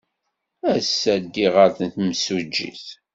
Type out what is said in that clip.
Ass-a, ddiɣ ɣer temsujjit.